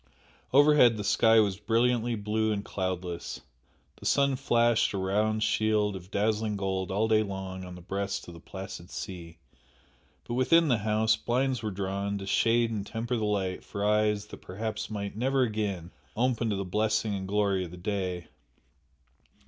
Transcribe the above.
Overhead the sky was brilliantly blue and cloudless, the sun flashed a round shield of dazzling gold all day long on the breast of the placid sea, but within the house, blinds were drawn to shade and temper the light for eyes that perhaps might never again open to the blessing and glory of the day.